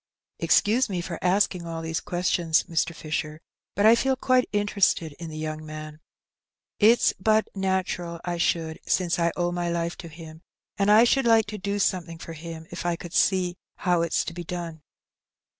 " Excuse me asking all these questions, Mr. Fisher, but I feel quite interested in the young man. It's but natural I should, since I owe my life to him ; and I should like to do something for him, if I could see how it's to be done."